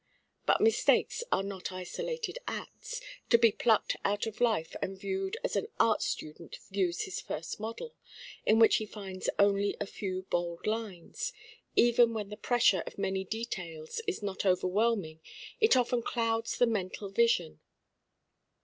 But mistakes are not isolated acts, to be plucked out of life and viewed as an art student views his first model, in which he finds only a few bald lines; even when the pressure of many details is not overwhelming it often clouds the mental vision.